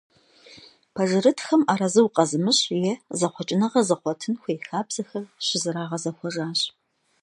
Пэжырытхэм арэзы укъэзымыщӏ, е зэхъуэкӏыныгъэ зыгъуэтын хуей хабзэхэр щызэрагъэзэхуэжащ.